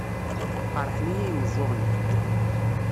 Qeṛḥen-iyi imeẓẓuɣen-iw.